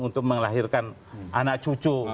untuk menglahirkan anak cucu